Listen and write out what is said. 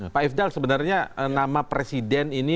pak ifdal sebenarnya nama presiden ini